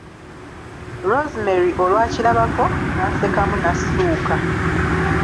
Rosemary olwakirabako, n'asekamu n'assuuka.